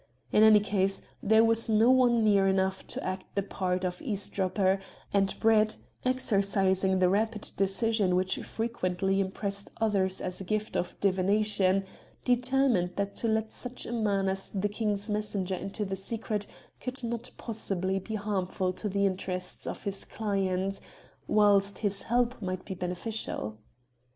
In any case, there was no one near enough to act the part of eavesdropper, and Brett, exercising the rapid decision which frequently impressed others as a gift of divination, determined that to let such a man as the King's messenger into the secret could not possibly be harmful to the interests of his client, whilst his help might be beneficial.